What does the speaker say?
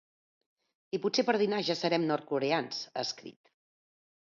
I potser per dinar ja serem nord-coreans, ha escrit.